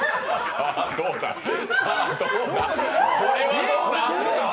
さあ、これはどうだ！？